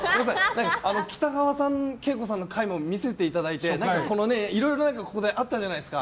北川景子さんの回を見せていただいていろいろあったじゃないですか。